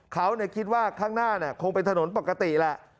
เขาเนี่ยคิดว่าข้างหน้าเนี่ยคงเป็นถนนปกติแหละ